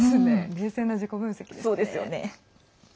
冷静な自己分析ですね。